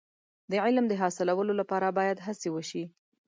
د علم د حاصلولو لپاره باید هڅې وشي.